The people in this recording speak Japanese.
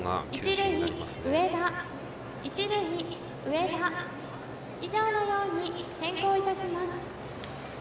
一塁、上田以上のように変更いたします。